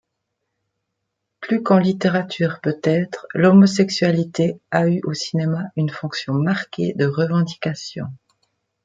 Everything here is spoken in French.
Plus qu’en littérature peut-être, l’homosexualité a eu au cinéma une fonction marquée de revendication.